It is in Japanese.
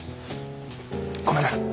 ごめんなさい。